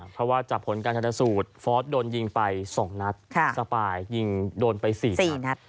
เพราะว่าจากผลการชนสูตรฟอสโดนยิงไป๒นัดสปายยิงโดนไป๔๔นัด